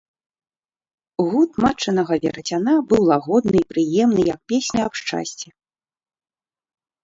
Гуд матчынага верацяна быў лагодны і прыемны, як песня аб шчасці.